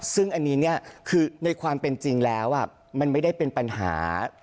ซึ่งอันนี้เนี่ยคือในความเป็นจริงแล้วมันไม่ได้เป็นปัญหา